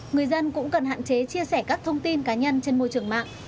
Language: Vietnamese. người dân cũng cần hạn chế chia sẻ các thông tin cá nhân trên môi trường mạng